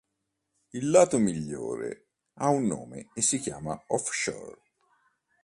Il "lato migliore" ha un nome e si chiama Offshore.